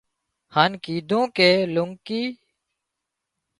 هانَ ڪيڌون ڪي لونڪي